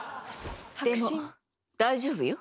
でも大丈夫よ。